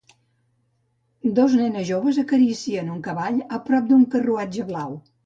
Dos nenes joves acaricien un cavall a prop d'un carruatge blau.